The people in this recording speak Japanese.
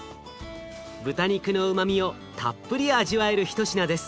豚肉のうまみをたっぷり味わえる一品です。